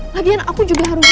lagian aku juga harus